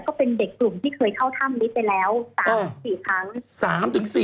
ก็เป็นเด็กกลุ่มที่เคยเข้าถ้ำนี้ไปแล้ว๓๔ครั้ง